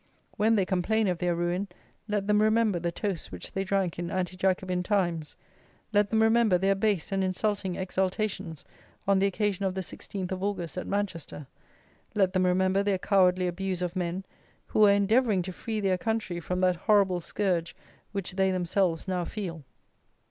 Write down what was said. When they complain of their ruin, let them remember the toasts which they drank in anti jacobin times; let them remember their base and insulting exultations on the occasion of the 16th of August at Manchester; let them remember their cowardly abuse of men, who were endeavouring to free their country from that horrible scourge which they themselves now feel.